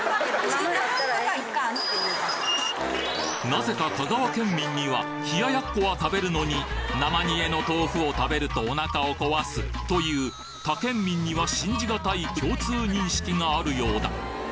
なぜか香川県民には冷奴は食べるのに生煮えの豆腐を食べるとお腹を壊すという他県民には信じがたい共通認識があるようだ